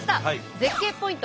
絶景ポイント